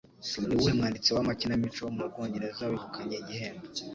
Ni uwuhe mwanditsi w'amakinamico wo mu Bwongereza wegukanye igihembo